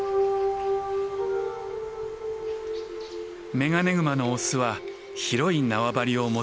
メガネグマのオスは広い縄張りを持とうとします。